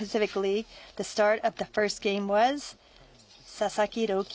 佐々木朗希。